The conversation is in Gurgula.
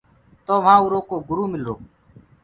تو وهآنٚ اُرو ڪو گرُ ملرو۔